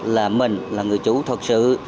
là mình là người chủ thật sự